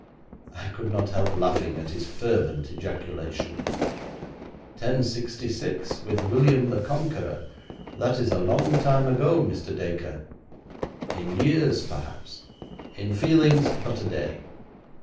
I could not help laughing at his fervent ejaculation. '1066! With William the Conqueror! That is a long time ago, Mr. Dacre.' 'In years perhaps; in feelings but a day.